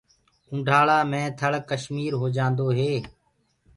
اونڍآݪآ مي ٿݪ ڪشمير هو جآندوئي